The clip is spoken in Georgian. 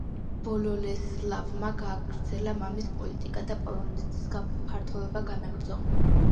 ბოლესლავმა გააგრძელა მამის პოლიტიკა და პოლონეთის გაფართოება განაგრძო.